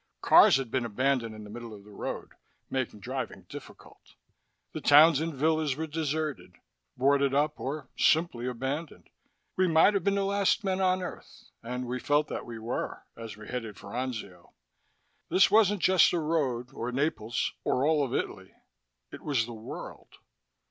Cars had been abandoned in the middle of the road, making driving difficult. The towns and villas were deserted, boarded up or simply abandoned. We might have been the last men on Earth, and we felt that we were as we headed for Anzio. This wasn't just a road, or Naples or all of Italy. It was the world.